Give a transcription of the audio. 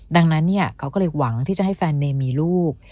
ดังนั้นเขาก็เลยหวังที่จะให้แฟนเนมีลูก